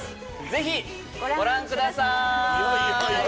ぜひ！ご覧ください！